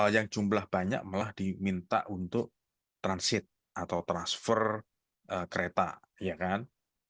yang jumlah banyak malah diminta untuk transit atau transfer kereta ya kan